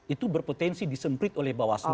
itu berpotensi disemprit oleh bawaslu